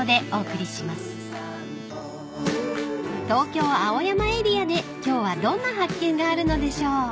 ［東京青山エリアで今日はどんな発見があるのでしょう］